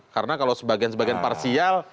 karena kalau sebagian sebagian parsial